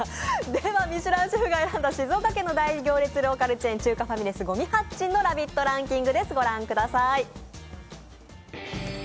では、ミシュランシェフが選んだ静岡県の大行列ローカルチェーン、中華ファミレス五味八珍のランキングです、ご覧ください。